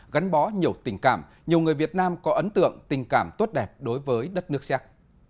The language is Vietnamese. gắn bó nhiều tình cảm nhiều người việt nam có ấn tượng tình cảm tốt đẹp đối với đất nước xéc